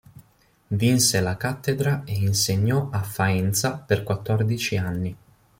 Vinse la cattedra e insegnò a Faenza per quattordici anni.